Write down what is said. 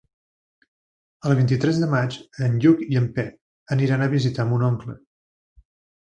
El vint-i-tres de maig en Lluc i en Pep aniran a visitar mon oncle.